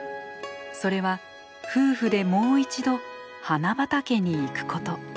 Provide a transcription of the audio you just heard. それは夫婦でもう一度花畑に行くこと。